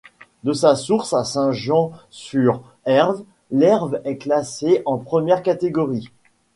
De sa source à Saint-Jean-sur-Erve, l'Erve est classée en première catégorie.